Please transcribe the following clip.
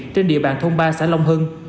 trên địa bàn thôn ba xã long hưng